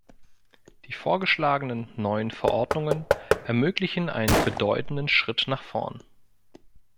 Die vorgeschlagenen neuen Verordnungen ermöglichen einen bedeutenden Schritt nach vorn.